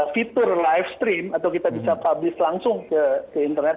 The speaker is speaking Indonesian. fitur live stream atau kita bisa publish langsung ke internet